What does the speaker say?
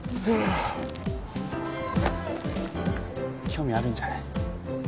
興味あるんじゃない？